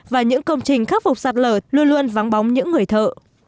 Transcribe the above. và những công trình khắc phục sạt lở luôn luôn vắng bóng những người thợ